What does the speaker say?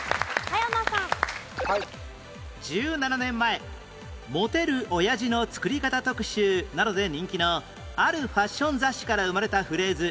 １７年前モテるオヤジの作り方特集などで人気のあるファッション雑誌から生まれたフレーズ